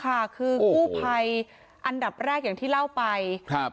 ก็เอาออกซิเจนลงไปที่ก้นบ่อใช่มั้ยคะก็เอาออกซิเจนลงไปที่ก้นบ่อใช่มั้ยคะ